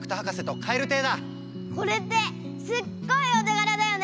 これってすっごいお手がらだよね？